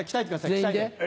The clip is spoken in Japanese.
全員で？